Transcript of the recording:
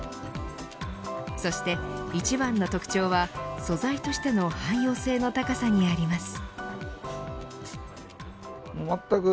そして一番の特徴は素材としての汎用性の高さにあります。